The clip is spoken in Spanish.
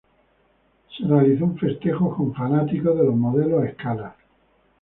Se realizó un festejo con fanáticos de los modelos a escala.